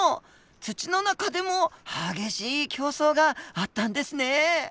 土の中でも激しい競争があったんですね。